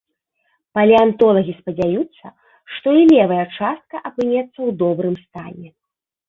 Палеантолагі спадзяюцца, што і левая частка апынецца ў добрым стане.